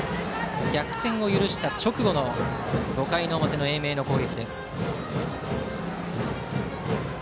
逆転を許した直後の５回の表の英明の攻撃。